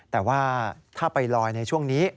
แต่ว่าถ้าไปลอยในช่วงนี้